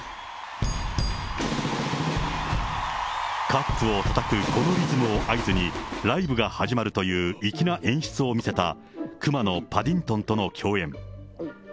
カップをたたくこのリズムを合図に、ライブが始まるという粋な演出を見せたクマのパディントンとの共演。